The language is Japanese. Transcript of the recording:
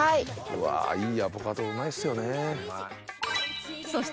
うわいいアボカドうまいっすよね。